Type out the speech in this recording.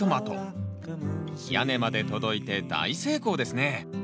屋根まで届いて大成功ですね。